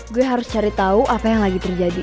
gue harus cari tahu apa yang lagi terjadi